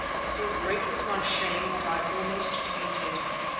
So great was my shame that I think I almost fainted.